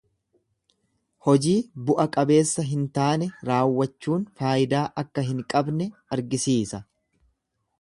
Hojii bu'a qabeessa hin taane raawwachuun faayidaa akka hin qabne argisiisa.